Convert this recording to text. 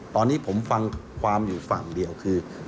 ตอนนี้ผมฟังความอยู่ฝั่งเดียวคือ